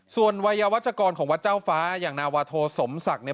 ส่วนวัยวัชกรของวัดเจ้าฟ้าอย่างนาวาโทสมศักดิ์เนี่ย